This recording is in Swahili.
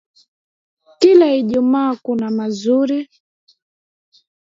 Kila ijumaa kuna mazuri.